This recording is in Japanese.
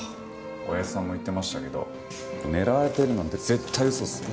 親父さんも言ってましたけど狙われてるなんて絶対嘘ですよ。